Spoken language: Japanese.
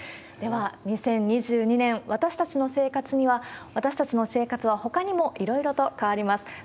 では２０２２年、私たちの生活には私たちの生活はほかにもいろいろと変わります。